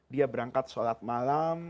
dia berangkat sholat malam